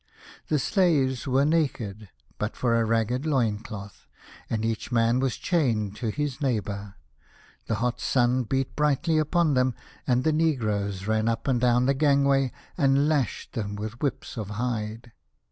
The slaves were naked, but for a ragged loincloth, and each man was chained to his neighbour. The hot sun beat brightly upon them, and the negroes ran up and down the gangway and lashed them with whips of hide.